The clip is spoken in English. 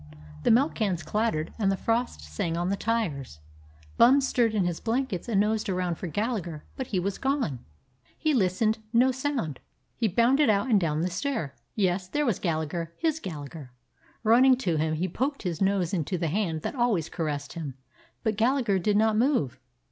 The milk cans clattered and the frost sang on the tires. Bum stirred in his blankets and nosed around for Gallagher, but he was gone. He listened; no sound. He bounded out and down the stair. Yes, there was Gallagher, his Gallagher. Running to him, he poked his nose into the hand that always caressed him, but Gallagher did not move.